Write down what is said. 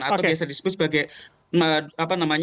atau biasa disebut sebagai dmo